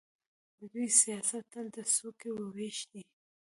د دوی سیاست تل د څوکۍو وېش دی.